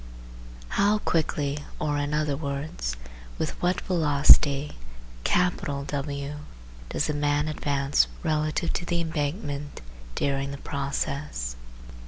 How quickly or, in other words, with what velocity W does the man advance relative to the embankment during the process